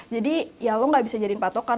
jadi ya lo gak bisa jadiin patokan